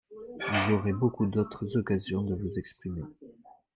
Vous aurez beaucoup d’autres occasions de vous exprimer.